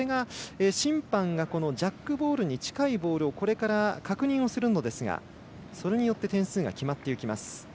審判がジャックボールに近いボールをこれから確認をするのですがそれによって点数が決まります。